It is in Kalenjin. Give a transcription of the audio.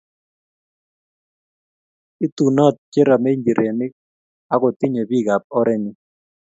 itunot cheramei nchirenik akutinyei biikab orenyin.